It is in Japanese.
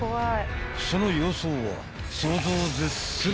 ［その様相は］